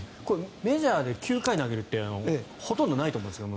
メジャーで９回を投げるってほとんどないと思うんですけど。